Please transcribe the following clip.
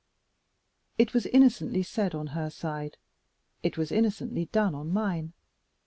It was innocently said, on her side. It was innocently done, on mine.